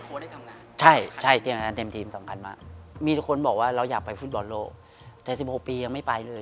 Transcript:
อเจมส์ใช่ใช่เตรียมการเตรียมทีมสำคัญมากมีคนบอกว่าเราอยากไปฟุตบอลโลกแต่๑๖ปียังไม่ไปเลย